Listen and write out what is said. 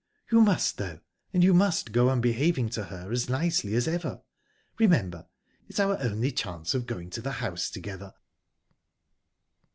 "You must, though and you must go on behaving to her as nicely as ever. Remember, it's our only chance of going to the house together."